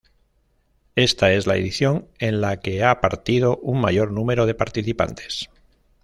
Esta es la edición en la que ha partido un mayor número de participantes.